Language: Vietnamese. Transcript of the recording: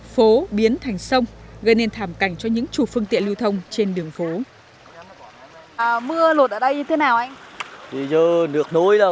phố biến thành sông gây nên thảm cảnh cho những chủ phương tiện lưu thông trên đường phố